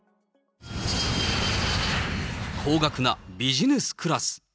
高額なビジネスクラス。